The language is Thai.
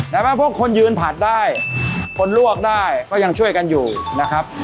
เพราะฉะนั้นพวกคนยืนผัดได้คนลวกได้ก็ยังช่วยกันอยู่นะครับ